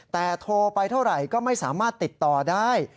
แต่โทรไปเท่าไหร่ก็ไม่สามารถติดต่อได้